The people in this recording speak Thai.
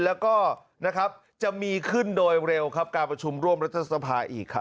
แล้วก็จะมีขึ้นโดยเร็วครับการประชุมร่วมรัฐสภาอีกครับ